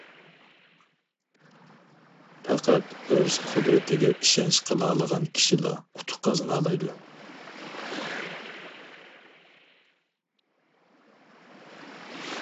پەقەت ئۆز قۇدرىتىگە ئىشەنچ قىلالىغان كىشىلا ئۇتۇق قازىنالايدۇ.